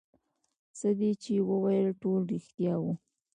څه دې چې وويل ټول رښتيا وو.